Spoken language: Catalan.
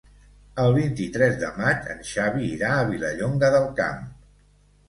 El vint-i-tres de maig en Xavi irà a Vilallonga del Camp.